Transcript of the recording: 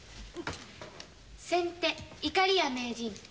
先手いかりや名人。